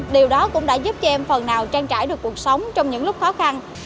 điều đó cũng đã giúp cho em phần nào trang trải được cuộc sống trong những lúc khó khăn